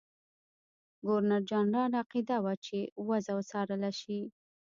ګورنرجنرال عقیده وه چې وضع وڅارله شي.